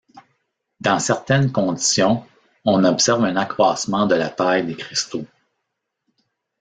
Dans certaines conditions, on observe un accroissement de la taille des cristaux.